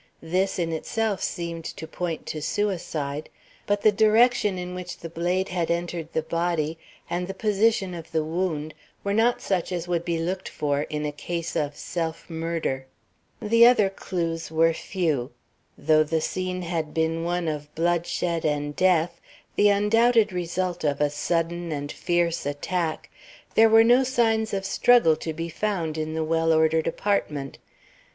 This in itself seemed to point to suicide, but the direction in which the blade had entered the body and the position of the wound were not such as would be looked for in a case of self murder. The other clews were few. Though the scene had been one of bloodshed and death, the undoubted result of a sudden and fierce attack, there were no signs of struggle to be found in the well ordered apartment.